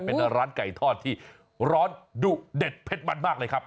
เป็นร้านไก่ทอดที่ร้อนดุเด็ดเผ็ดมันมากเลยครับ